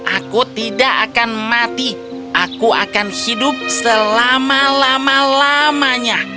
aku tidak akan mati aku akan hidup selama lama lamanya